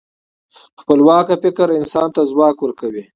خپلواکه فکر انسان ته ځواک ورکوي.